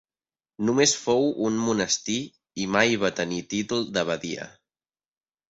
Només fou un monestir i mai va tenir títol d'abadia.